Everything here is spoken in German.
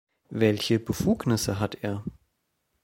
Welche Befugnisse hat er?